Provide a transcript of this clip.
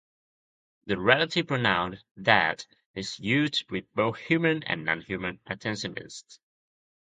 The relative pronoun "that" is used with both human and non-human antecedents.